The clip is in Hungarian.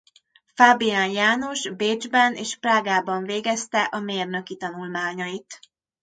Fábián János Bécsben és Prágában végezte a mérnöki tanulmányait.